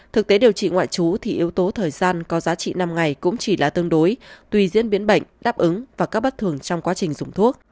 thực tế điều trị ngoại trú thì yếu tố thời gian có giá trị năm ngày cũng chỉ là tương đối tuy diễn biến bệnh đáp ứng và các bất thường trong quá trình dùng thuốc